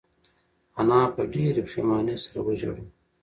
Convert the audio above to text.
انا په ډېرې پښېمانۍ سره وژړل.